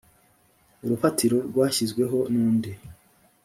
urufatiro rwashyizweho n undi